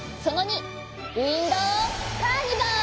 ウインドカーニバル！